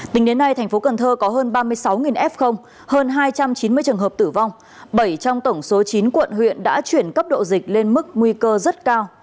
tính đến nay thành phố cần thơ có hơn ba mươi sáu f hơn hai trăm chín mươi trường hợp tử vong bảy trong tổng số chín quận huyện đã chuyển cấp độ dịch lên mức nguy cơ rất cao